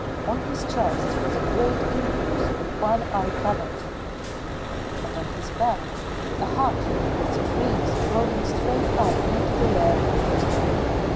On his chest was a great inkoos with one eye covered, and on his back a hut with trees growing straight up into the air from it.